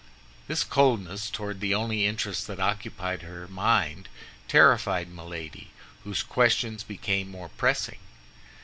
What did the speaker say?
This coldness toward the only interests that occupied her mind terrified Milady, whose questions became more pressing.